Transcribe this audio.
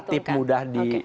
relatif mudah di